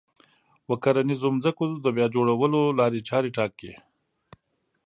و کرنيزو ځمکو د بيا جوړولو لارې چارې ټاکي